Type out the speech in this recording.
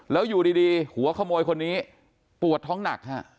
แล้วอยู่ดีหัวขโมยคนนี้ปวดท้องหนักฮะ